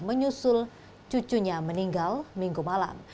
menyusul cucunya meninggal minggu malam